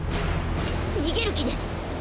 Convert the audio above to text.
逃げる気ね！